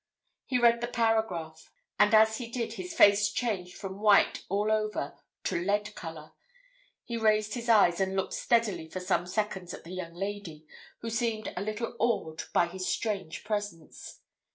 He read the paragraph, and as he did his face changed from white, all over, to lead colour. He raised his eyes, and looked steadily for some seconds at the young lady, who seemed a little awed by his strange presence.